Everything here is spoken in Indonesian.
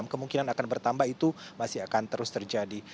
kemungkinan akan bertambah itu masih akan terus terjadi